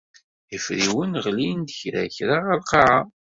Ifriwen ɣlin-d kra kra ar lqaɛa.